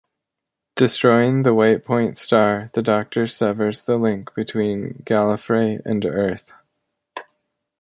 Destroying the White Point Star, the Doctor severs the link between Gallifrey and Earth.